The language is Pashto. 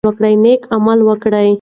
نیک عمل وکړئ.